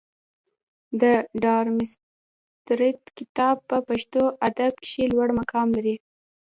د ډارمستتر کتاب په پښتو ادب کښي لوړ مقام لري.